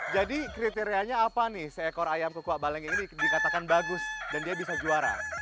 jadi kriterianya apa nih seekor ayam kukuak balenge ini dikatakan bagus dan dia bisa juara